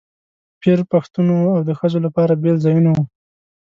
پیر پښتون و او د ښځو لپاره بېل ځایونه وو.